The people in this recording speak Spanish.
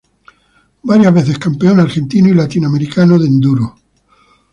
Varias veces campeón argentino y latinoamericano de enduro.